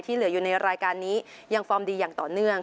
เหลืออยู่ในรายการนี้ยังฟอร์มดีอย่างต่อเนื่อง